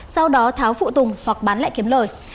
sau đó tháo phụ tùng hoặc bán lại kiếm lời